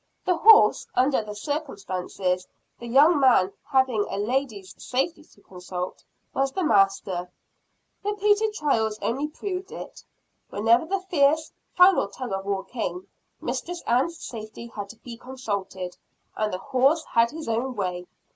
The horse, under the circumstances, the young man having a lady's safety to consult, was the master. Repeated trials only proved it. Whenever the fierce, final tug of war came, Mistress Ann's safety had to be consulted, and the horse had his own way.